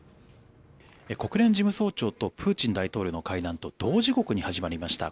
国連事務総長とプーチン大統領の会談と同時刻に始まりました